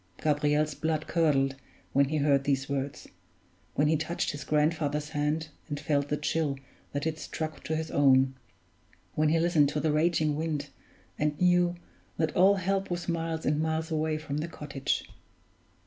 Gabriel's blood curdled when he heard these words when he touched his grandfather's hand, and felt the chill that it struck to his own when he listened to the raging wind, and knew that all help was miles and miles away from the cottage.